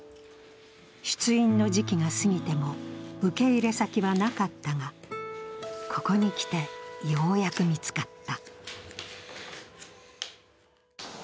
出院の時期が過ぎても受け入れ先はなかったがここにきて、ようやく見つかった。